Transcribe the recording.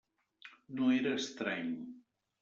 No era estrany.